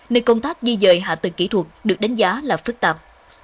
nên công tác di dời hạ tầng kỹ thuật được đánh giá là phức tạp